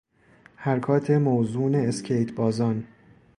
حرکات موزون اسکیت بازان